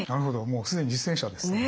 もう既に実践者ですね。